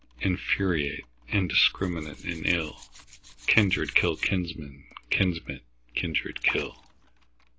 Infuriate, indiscrminate in ill, Kindred kill kinsmen, kinsmen kindred kill.